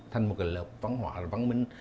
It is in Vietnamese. thành một lập văn hóa văn minh